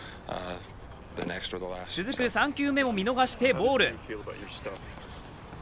続く３球目も見逃してボール。